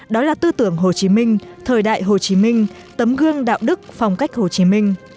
đó là tư tưởng hồ chí minh thời đại hồ chí minh tấm gương đạo đức phong cách hồ chí minh